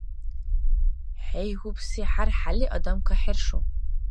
ХӀейгьубси хӀярхӀяли адам кахӀершу.